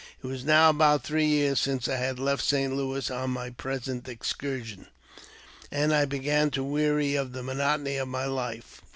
It was now about three years since I had left St. Louis on my present excursion, and I began to weary of the monotony of my life.